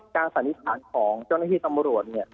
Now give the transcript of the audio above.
สันนิษฐานของเจ้าหน้าที่ตำรวจเนี่ย